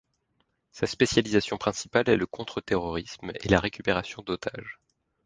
Sa spécialisation principale est le contre-terrorisme et la récupération d'otages.